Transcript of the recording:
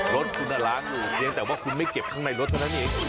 รถคุณล้างอยู่เพียงแต่ว่าคุณไม่เก็บข้างในรถเท่านั้นเอง